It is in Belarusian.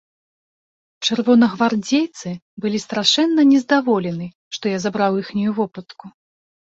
Чырвонагвардзейцы былі страшэнна нездаволены, што я забраў іхнюю вопратку.